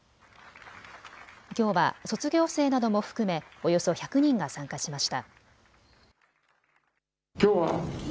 きょうは卒業生なども含めおよそ１００人が参加しました。